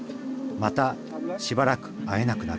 またしばらく会えなくなる。